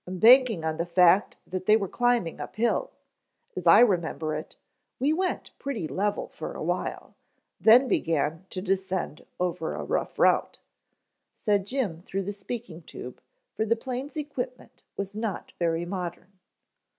"I'm banking on the fact that they were climbing up hill. As I remember it, we went pretty level for a while, then began to descend over a rough route," said Jim through the speaking tube, for the plane's equipment was not very modern.